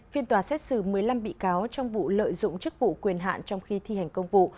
phiên tòa xét xử một mươi năm bị cáo trong vụ lợi dụng chức vụ quyền hạn trong khi thi hành công vụ